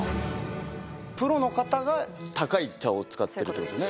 プロの方が高い茶を使ってるということですよね？